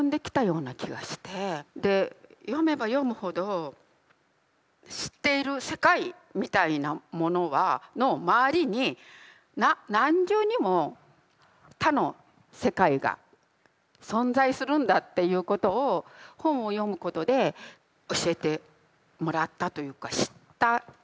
で読めば読むほど知っている世界みたいなもののまわりに何重にも他の世界が存在するんだっていうことを本を読むことで教えてもらったというか知った気がします。